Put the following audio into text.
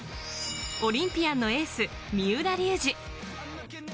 オリンピアンのエース・三浦龍司。